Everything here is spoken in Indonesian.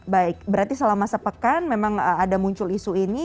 baik berarti selama sepekan memang ada muncul isu ini